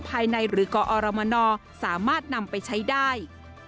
ภายในหรือกออรมนอร์สามารถนำไปใช้ได้